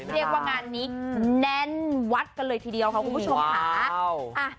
เรียกว่างานนี้แน่นวัดกันเลยทีเดียวค่ะคุณผู้ชมค่ะ